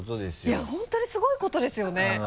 いや本当にすごいことですよね。